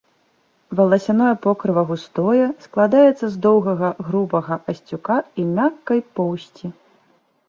Валасяное покрыва густое, складаецца з доўгага грубага асцюка і мяккай поўсці.